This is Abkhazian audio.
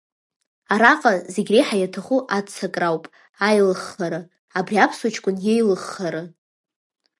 Араҟа зегь реиҳа иаҭаху аццакра ауп, аилыххара, абри аԥсуа ҷкәын иеилыххара.